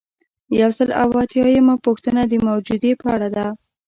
یو سل او اته اتیایمه پوښتنه د موجودیې په اړه ده.